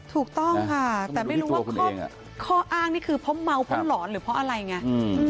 ถูกต้องค่ะแต่ไม่รู้ว่าข้ออ้างนี่คือเพราะเมาเพราะหลอนหรือเพราะอะไรไง